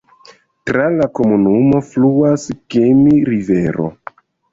Tra la komunumo fluas Kemi-rivero.